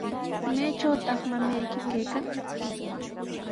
¿Maytrawtaq mamayki kaykan?